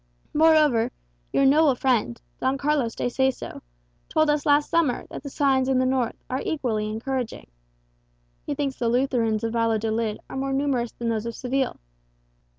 Moreover, your noble friend, Don Carlos de Seso, told us last summer that the signs in the north are equally encouraging. He thinks the Lutherans of Valladolid are more numerous than those of Seville.